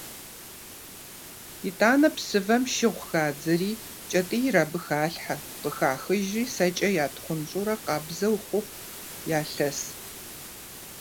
ИтӀанэ псывэм шыгъу хадзэри, кӀэтӀийр абы халъхьэ, къыхахыжри сэкӀэ ятхъунщӀурэ къабзэ хъуху ялъэс.